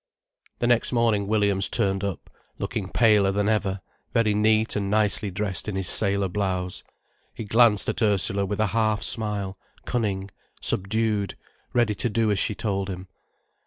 The next morning Williams turned up, looking paler than ever, very neat and nicely dressed in his sailor blouse. He glanced at Ursula with a half smile: cunning, subdued, ready to do as she told him.